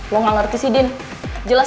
lo gak ngerti sih din jelas jelas